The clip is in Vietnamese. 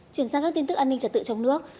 chuyển sang các tin tức an ninh trật tự trong nước